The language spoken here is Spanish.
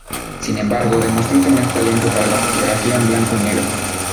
Sin embargo, demostró tener talento para la fotografía en blanco y negro.